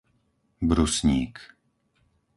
Brusník